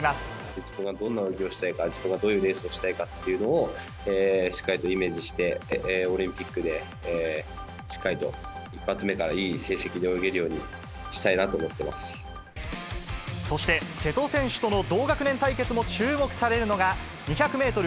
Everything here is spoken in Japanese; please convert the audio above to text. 自分がどんな泳ぎをしたいか、どういうレースをしたいかっていうのをしっかりとイメージして、オリンピックでしっかりと、一発目からいい成績で泳げるようそして、瀬戸選手との同学年対決も注目されるのが、２００メートル